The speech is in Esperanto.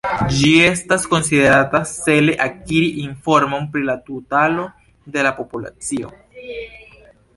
Ĝi estas konsiderata cele akiri informon pri la totalo de la populacio.